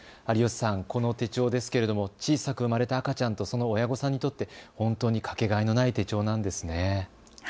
有吉さん、この手帳ですけれども小さく産まれた赤ちゃんとその親御さんにとって、本当に掛けがえのない手帳なんですね。